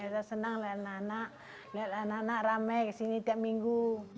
dia senang lihat anak anak lihat anak anak ramai kesini tiap minggu